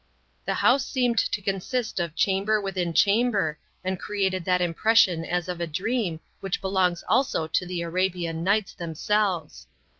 The house seemed to consist of chamber within chamber and created that impression as of a dream which belongs also to the Arabian Nights themselves.